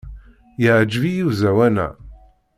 Yeɛjeb-iyi uẓawan-a.